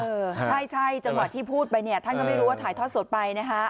เออใช่จังหวะที่พูดไปเนี่ยท่านก็ไม่รู้ว่าถ่ายทอดสดไปนะฮะ